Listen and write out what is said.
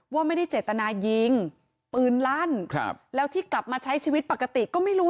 ว่าไม่ได้เจตนายิงปืนลั่นครับแล้วที่กลับมาใช้ชีวิตปกติก็ไม่รู้